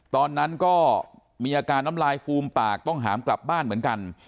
ตอนนั้นก็มีอาการน้ำลายฟูมปากต้องหามกลับบ้านเหมือนกัน